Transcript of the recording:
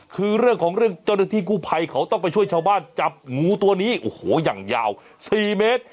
คือเรื่องของเรื่องเจ้าหน้าที่กู้ภัยเขาต้องไปช่วยชาวบ้านจับงูตัวนี้โอ้โหอย่างยาว๔เมตร